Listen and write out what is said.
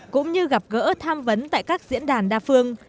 cũng như gặp gỡ tham vấn tại các diễn đàn đa phương